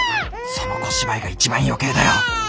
その小芝居が一番余計だよ！